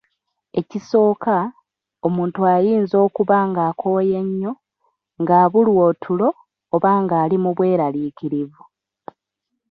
Ekisooka, omuntu ayinza okuba nga akooye nnyo, ng’abulwa otulo oba ng’ali mu bweraliikirivu.